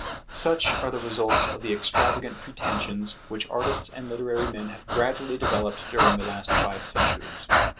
Such are the results of the extravagant pretensions which artists and literary men have gradually developed during the last five centuries.